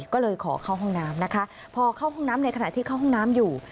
ก็เลยขอเข้าห้องน้ำนะคะพอเข้าห้องน้ำในขณะที่เข้าห้องน้ำอยู่